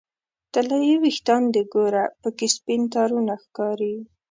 طلایې ویښان دې ګوره پکې سپین تارونه ښکاري